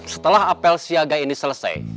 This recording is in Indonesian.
setelah apel siaga ini selesai